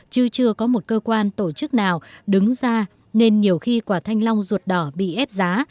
chứ chưa có một cơ quan tổ chức nào đứng ra nên nhiều khi quả thanh long ruột đỏ bị ép giá